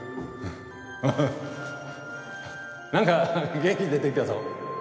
あっ何か元気出てきたぞ。